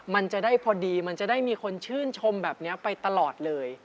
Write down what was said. มันจะได้พอดีมันจะได้มีคนชื่นชมแบบนี้ไปตลอดเลย